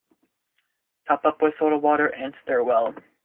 Top up with soda water and stir well.